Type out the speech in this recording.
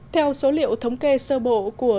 theo số liệu thống kê sơ bộ của